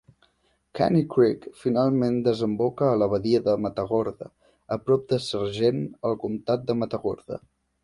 Caney Creek finalment desemboca a la badia de Matagorda a prop de Sargent al comtat de Matagorda.